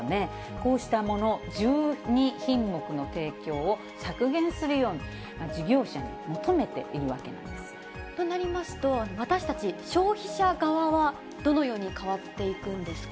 こうしたもの、１２品目の提供を削減するように、事業者に求めているわけなんです。となりますと、私たち消費者側は、どのように変わっていくんですか。